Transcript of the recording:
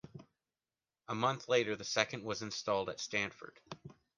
A month later the second was installed at Stanford.